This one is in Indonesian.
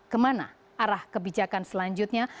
kemana arah kebijakan selanjutnya